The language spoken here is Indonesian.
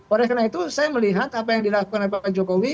oleh karena itu saya melihat apa yang dilakukan oleh pak jokowi